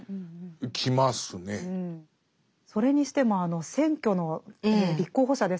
それにしてもあの選挙の立候補者ですよね。